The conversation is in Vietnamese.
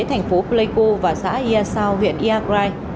thành phố pleiko và xã yasao huyện yagrai